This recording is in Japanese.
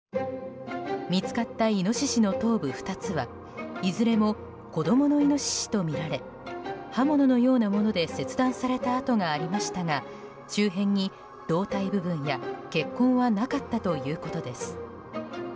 見つかったイノシシの頭部２つはいずれも子供のイノシシとみられ刃物のようなもので切断された痕がありましたが周辺に胴体部分や血痕はなかったということです。